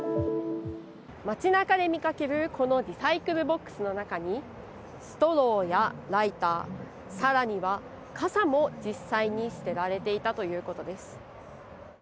街なかで見かけるこのリサイクルボックスの中にストローやライター、更には傘も実際に捨てられていたということです。